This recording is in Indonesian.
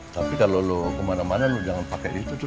tapi kalo lo kemana mana lo jangan pake itu tuh